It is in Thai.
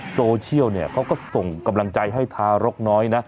โซเชียลเขาก็ส่งกำลังใจให้ทารกน้อยนะ